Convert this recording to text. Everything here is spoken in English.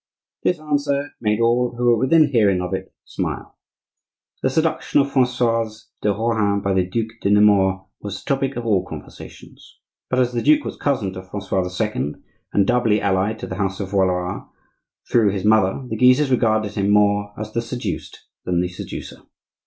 This answer made all who were within hearing of it smile. The seduction of Francoise de Rohan by the Duc de Nemours was the topic of all conversations; but, as the duke was cousin to Francois II., and doubly allied to the house of Valois through his mother, the Guises regarded him more as the seduced than the seducer.